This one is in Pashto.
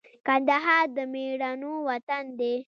کندهار د مېړنو وطن دی